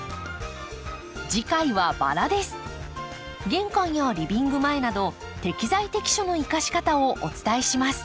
玄関やリビング前など適材適所の生かし方をお伝えします。